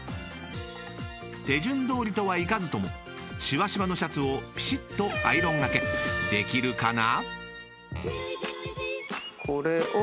［手順どおりとはいかずともシワシワのシャツをピシッとアイロンがけできるかな？］